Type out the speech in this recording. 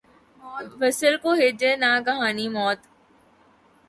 وصل کو ہجر ، ناگہانی موت